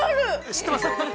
◆知ってます。